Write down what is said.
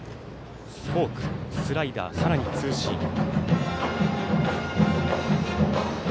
フォーク、スライダーさらにツーシーム。